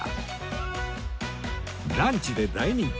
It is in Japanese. ランチで大人気